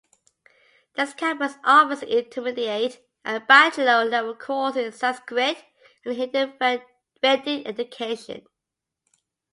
This campus offers Intermediate and Bachelor level courses in Sanskrit and Hindu Vedic education.